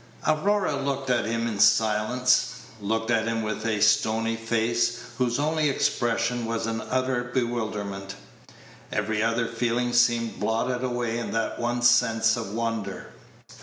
Aurora looked at him in silence looked at him with a stony face, whose only expression was an utter bewilderment. Every other feeling seemed blotted away in that one sense of wonder.